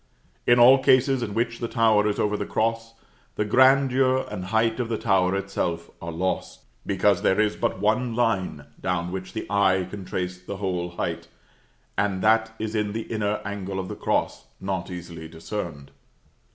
In all cases in which the tower is over the cross, the grandeur and height of the tower itself are lost, because there is but one line down which the eye can trace the whole height, and that is in the inner angle of the cross, not easily discerned.